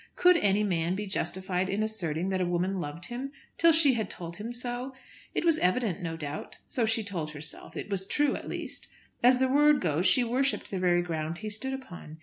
Could any man be justified in asserting that a woman loved him till she had told him so? It was evident no doubt, so she told herself. It was true at least. As the word goes she worshipped the very ground he stood upon.